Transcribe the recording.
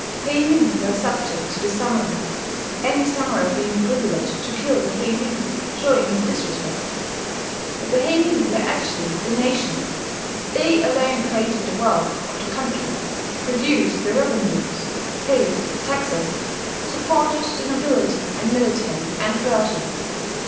ll heimin were subject to the samurai; any samurai being privileged to kill the heimin showing him disrespect. But the heimin were actually the nation: they alone created the wealth of the country, produced the revenues, paid the taxes, supported the nobility and military and clergy.